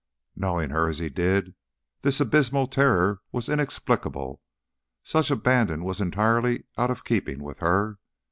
Knowing her as he did, this abysmal terror was inexplicable; such abandon was entirely out of keeping with her.